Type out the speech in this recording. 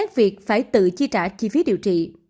bị chi trả chi phí điều trị